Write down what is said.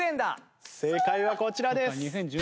正解はこちらです。